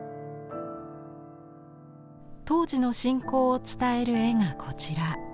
当時の信仰を伝える絵がこちら。